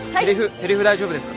セリフ大丈夫ですか？